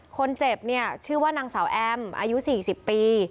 คนเจ็บเนี่ยชื่อว่านางสาวแอมอายุ๔๐ปี